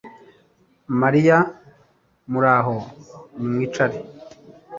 Mariya Muraho Nimwicare